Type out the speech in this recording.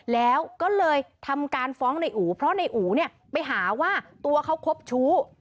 แล้วก็เลยทำการฟ้องนายอู๋เพราะนายอู๋ไปหาว่าตัวเขาครบชู้